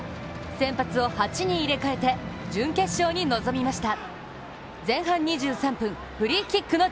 先発を８人入れ替えて準決勝に臨みました。